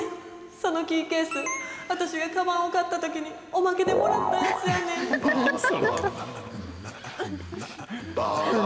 そのキーケース、私がかばんを買ったときに、おまけでもらったやつやねん。